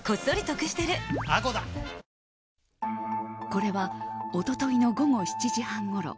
これは一昨日の午後７時半ごろ。